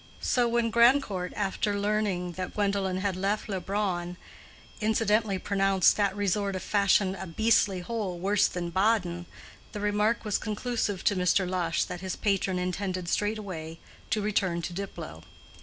So when Grandcourt, after learning that Gwendolen had left Leubronn, incidentally pronounced that resort of fashion a beastly hole, worse than Baden, the remark was conclusive to Mr. Lush that his patron intended straightway to return to Diplow.